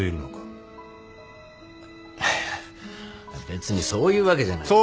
別にそういうわけじゃない。